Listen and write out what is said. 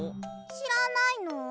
しらないの？